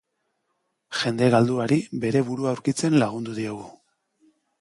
Jende galduari bere burua aurkitzen lagundu diogu.